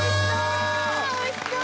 おいしそう！